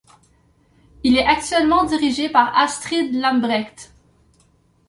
Il est actuellement dirigé par Astrid Lambrecht.